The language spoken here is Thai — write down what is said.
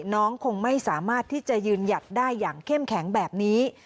น้องคงไม่สามารถที่จะยืนหยัดได้อย่างเข้มแข็งแบบนี้